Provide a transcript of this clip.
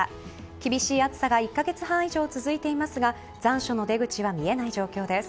厳しい暑さが１か月半以上続いていますが残暑の出口は見えない状況です。